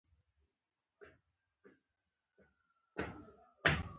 د پانګې کمښت د تولید کمښت راولي.